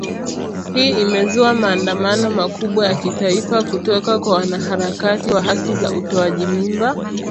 Hii imezua maandamano makubwa ya kitaifa kutoka kwa wanaharakati wa haki za utoaji mimba